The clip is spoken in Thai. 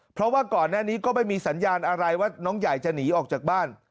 เพราะว่าก่อนหน้านี้ก็ไม่มีสัญญาณอะไรว่าน้องใหญ่จะหนีออกจากบ้าน